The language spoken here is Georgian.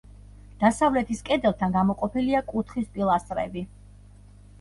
დასავლეთის კედელთან გამოყოფილია კუთხის პილასტრები.